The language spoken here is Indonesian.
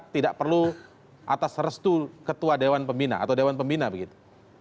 tidak perlu atas restu ketua dewan pembina atau dewan pembina begitu